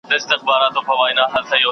د هيواد بهرنی سياست په نړيواله کچه مهم دی.